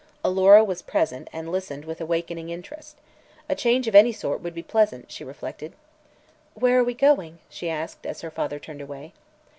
Alora was present and listened with awakening interest. A change of any sort would be pleasant, she reflected. "Where are we going?" she asked, as her father turned away.